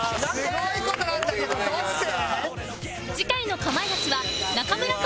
すごい事なんだけどどうして？